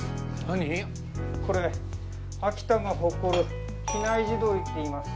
これ秋田の誇る比内地鶏っていいます。